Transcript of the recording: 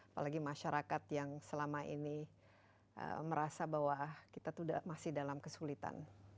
apalagi masyarakat yang selama ini merasa bahwa kita masih dalam kesulitan